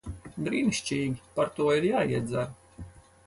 Brīnišķīgi. Par to ir jāiedzer.